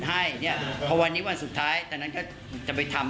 เหมือนเดิม